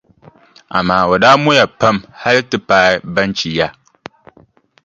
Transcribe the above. Amaa o daa mɔya pam hali ti paai Banchi ya.